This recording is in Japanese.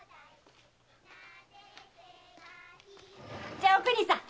じゃおくにさん